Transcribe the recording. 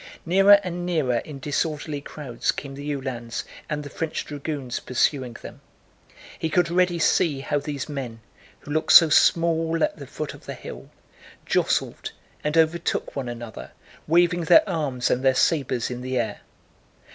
Nearer and nearer in disorderly crowds came the Uhlans and the French dragoons pursuing them. He could already see how these men, who looked so small at the foot of the hill, jostled and overtook one another, waving their arms and their sabers in the air.